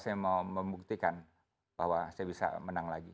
saya mau membuktikan bahwa saya bisa menang lagi